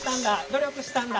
ど力したんだ！